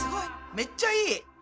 めっちゃいい！